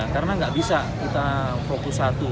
karena gak bisa kita fokus satu